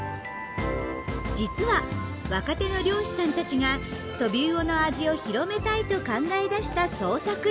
実は若手の漁師さんたちがトビウオの味を広めたいと考え出した創作料理です。